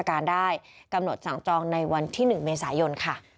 การได้กำหนดสั่งจองในวันที่๑เมษายนค่ะ